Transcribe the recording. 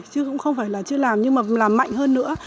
chứ cũng không phải là chưa làm nhưng mà làm mạnh hơn nữa